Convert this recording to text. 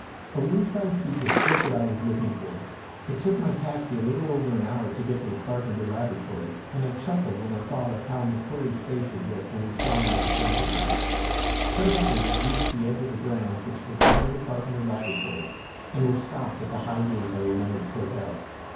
A ringside seat was just what I was looking for. It took my taxi a little over an hour to get to the Carpenter laboratory and I chuckled when I thought of how McQuarrie's face would look when he saw my expense account. Presently we reached the edge of the grounds which surrounded the Carpenter laboratory and were stopped at the high gate I remembered so well.